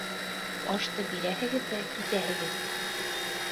Ашты бирәһегеҙ ҙә китәһегеҙ!